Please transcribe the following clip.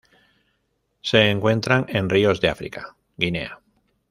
Se encuentran en ríos de África: Guinea.